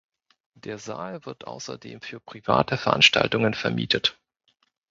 Der Saal wird außerdem für private Veranstaltungen vermietet.